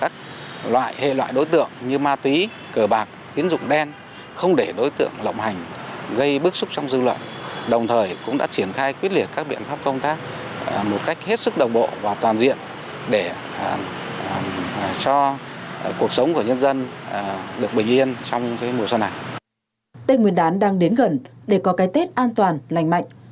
tết nguyên đán đang đến gần để có cái tết an toàn lành mạnh